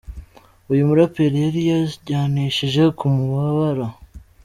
Uyu muraperi yari yajyanishije ku mabara.